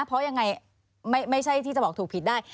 เพราะยังไงไม่ใช่ที่จะบอกถูกผิดได้